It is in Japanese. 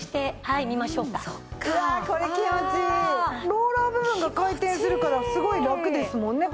ローラー部分が回転するからすごいラクですもんね。